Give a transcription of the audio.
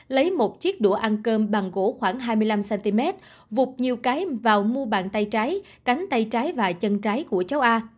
lấy một chiếc đũa ăn cơm bằng gỗ khoảng hai mươi năm cm vụt nhiều cái vào mua bàn tay trái cánh tay trái và chân trái của cháu a